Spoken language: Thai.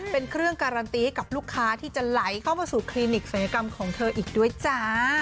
เป็นเครื่องการันตีให้กับลูกค้าที่จะไหลเข้ามาสู่คลินิกศัลยกรรมของเธออีกด้วยจ้า